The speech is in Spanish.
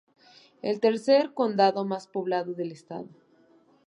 Es el tercer condado más poblado del estado.